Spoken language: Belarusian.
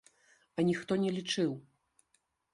А ніхто не лічыў.